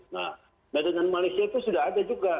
nah dengan malaysia itu sudah ada juga